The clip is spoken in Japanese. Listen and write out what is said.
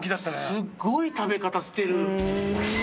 すっごい食べ方してる。